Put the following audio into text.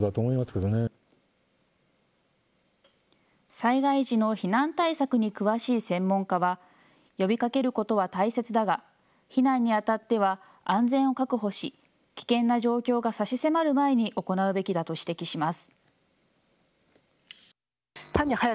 災害時の避難対策に詳しい専門家は呼びかけることは大切だが避難にあたっては安全を確保し、危険な状況が差し迫る前に行うべきだと指摘します。